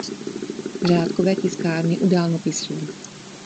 Řádkové tiskárny u dálnopisů.